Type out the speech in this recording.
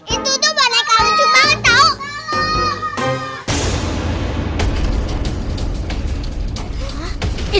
itu tuh boneka lucu banget tau